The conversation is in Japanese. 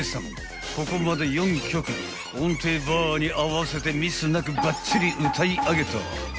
ここまで４曲音程バーに合わせてミスなくばっちり歌い上げた］